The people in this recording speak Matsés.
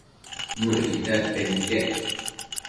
Nuëcquid dadpen iquec